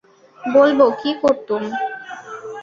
বলব কী করতুম?